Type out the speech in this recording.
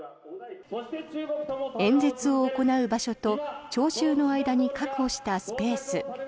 演説を行う場所と聴衆の間に確保したスペース。